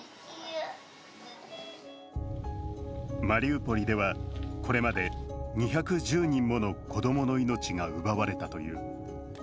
マリウポリではこれまで２１０人もの子供の命が奪われたという。